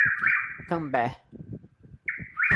Cambé